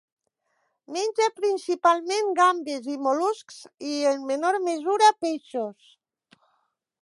Menja principalment gambes i mol·luscs, i, en menor mesura, peixos.